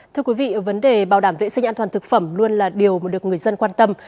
thưa quý vị vấn đề bảo đảm vệ sinh an toàn thực phẩm luôn là điều mà được người dân quan tâm